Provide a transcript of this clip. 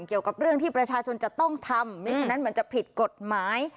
เกี่ยวกับเรื่องที่ประชาชนจะต้องทำไม่ฉะนั้นมันจะผิดกฎหมาย